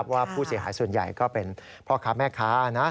ว่าผู้เสียหายส่วนใหญ่ก็เป็นพ่อค้าแม่ค้านะ